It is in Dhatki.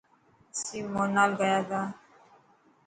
اسين مونال گياتا.